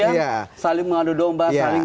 ya saling mengadu domba saling